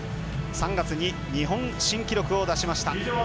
３月に日本新記録を出しました。